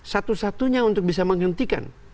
satu satunya untuk bisa menghentikan